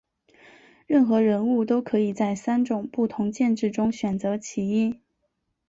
任何人物都可以在三种不同剑质中选择其一。